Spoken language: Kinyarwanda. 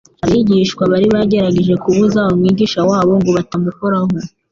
Abigishwa bari bagerageje kubuza Umwigisha wabo ngo atamukoraho;